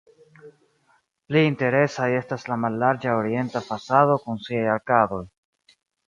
Pli interesaj estas la mallarĝa orienta fasado kun siaj arkadoj.